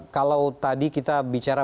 kalau tadi kita bicara